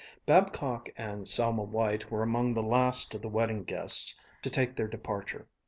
Babcock and Selma White were among the last of the wedding guests to take their departure.